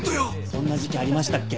そんな時期ありましたっけ？